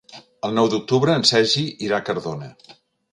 El nou d'octubre en Sergi irà a Cardona.